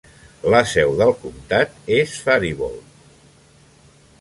La seu del comtat és Faribault.